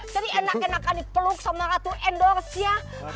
jadi enak enakan dipeluk sama ratu endors ya